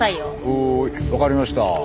はーいわかりました。